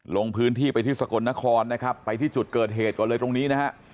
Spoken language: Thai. ลงพื้นที่ไปที่สกลนครนะครับไปที่จุดเกิดเหตุก่อนเลยตรงนี้นะฮะ